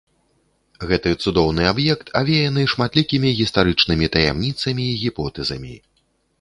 Гэты цудоўны аб'ект авеяны шматлікімі гістарычнымі таямніцамі і гіпотэзамі.